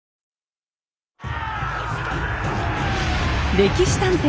「歴史探偵」